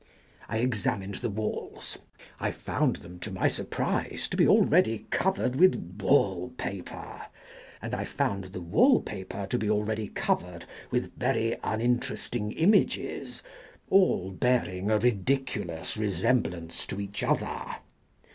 I examined the walls ; I found them to my surprise to be already covered with wall paper, and I found the wall paper to be already covered with very uninteresting images, all bearing a ridiculous resemblance to each other.